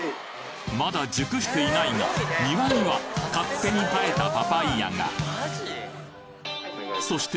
まだ熟していないが庭には勝手に生えたパパイヤがそして